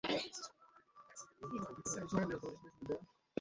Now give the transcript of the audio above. অর্জুন ওদিকে যাচ্ছে, ওকে ধর।